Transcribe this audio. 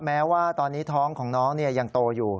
แม้ว่าตอนนี้ท้องของน้องยังโตอยู่